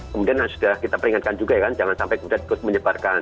kemudian sudah kita peringatkan juga ya kan jangan sampai kemudian terus menyebarkan